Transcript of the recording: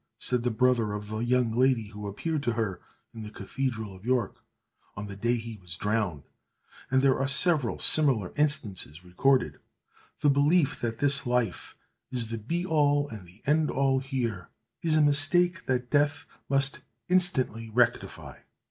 said the brother of the young lady who appeared to her in the cathedral of York, on the day he was drowned; and there are several similar instances recorded. The belief that this life "is the be all and the end all here," is a mistake that death must instantly rectify.